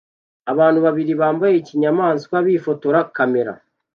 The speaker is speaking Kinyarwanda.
Abantu babiri bambaye nkinyamanswa bifotora kamera